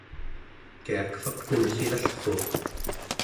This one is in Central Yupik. kiakvaq nengllilallruuq